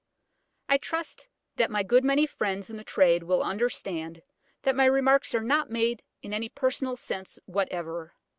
I trust that my many good friends in the trade will understand that my remarks are not made in any personal sense whatever.